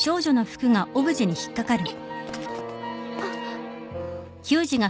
あっ。